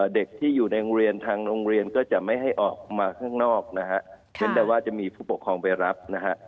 เด็กที่อยู่ในทางโรงเรียนก็จะไม่ให้ออกมาข้างนอกนะฮะเพราะฉะนั้นจะมีผู้ปกครองไปรับนะฮะ